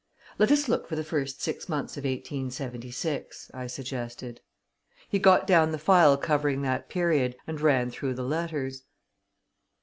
"Let us look for the first six months of 1876," I suggested. He got down the file covering that period, and ran through the letters.